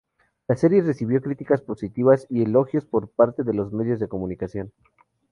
La serie recibió criticas positivas y elogios por parte de los medios de comunicación.